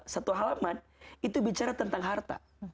satu halaman itu bicara tentang harta